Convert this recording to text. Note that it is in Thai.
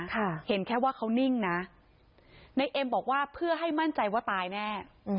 เห็นแค่ว่าเขานิ่งนะในเอ็มบอกว่าเพื่อให้มั่นใจว่าตายแน่